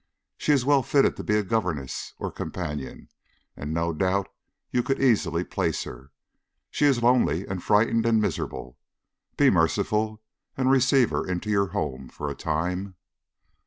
She is well fitted to be a governess or companion, and no doubt you could easily place her. But she is lonely and frightened and miserable. Be merciful and receive her into your home for a time.